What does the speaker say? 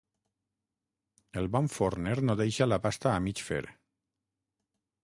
El bon forner no deixa la pasta a mig fer.